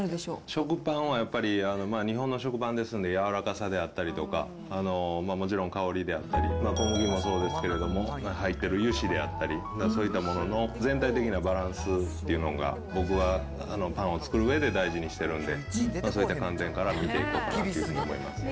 食パンはやっぱり、日本の食パンですので、柔らかさであったりとか、もちろん香りであったり、小麦もそうですけれども、入ってる油脂であったり、そういったものの全体的なバランスっていうのが、僕はパンを作るうえで大事にしてるんで、そういった観点から見ていこうかなというふうに思います。